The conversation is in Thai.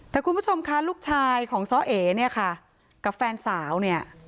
แต่คุณผู้ชมค่ะลูกชายของซ้อเอเนี่ยค่ะกับแฟนสาวเนี่ย